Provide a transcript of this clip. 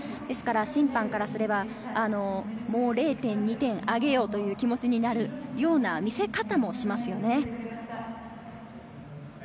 審判からすれば、もう０．２点あげようという気持ちになるような見せ方をしますよね。